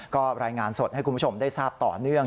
ก็รายงานสดให้คุณผู้ชมได้ทราบต่อเนื่อง